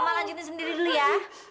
mau lanjutin sendiri dulu ya